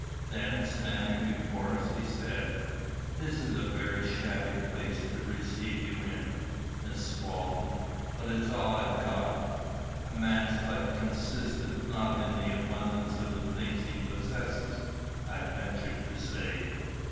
Then standing before us, he said: "This is a very shabby place to receive you in, Miss Walton, but it is all I have got." "A man's life consisteth not in the abundance of the things he possesses," I ventured to say.